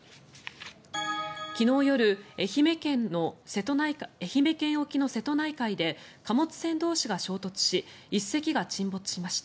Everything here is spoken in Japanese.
昨日夜、愛媛県沖の瀬戸内海で貨物船同士が衝突し１隻が沈没しました。